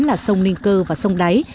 là sông ninh cơ và sông đáy